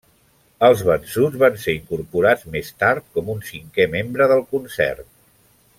Els vençuts van ser incorporats més tard com un cinquè membre del concert.